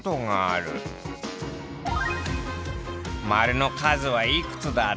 ○の数はいくつだった？